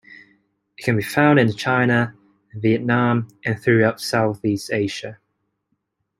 It can be found in China, Vietnam and throughout Southeast Asia.